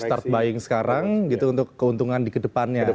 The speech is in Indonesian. jadi start buying sekarang gitu untuk keuntungan di kedepannya